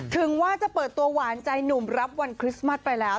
ถึงว่าจะเปิดตัวหวานใจหนุ่มรับวันคริสต์มัสไปแล้ว